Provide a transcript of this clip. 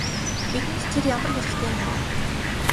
Бидэнд тэр ямар хэрэгтэй юм бэ?